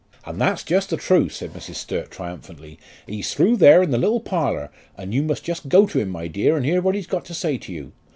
"And that's just the truth," said Mrs. Sturt, triumphantly. "He's through there in the little parlour, and you must just go to him, my dear, and hear what he's got to say to you."